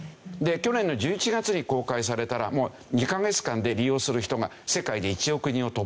去年の１１月に公開されたら２カ月間で利用する人が世界で１億人を突破した。